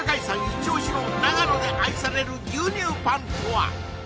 イチオシの長野で愛される牛乳パンとは？